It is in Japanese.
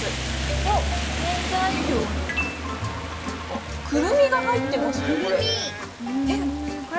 おっ、原材料にくるみが入ってますね、これ。